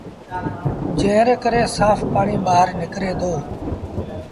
جݩهݩ ري ڪري سآڦ پآڻيٚ ٻآهر نڪري دو۔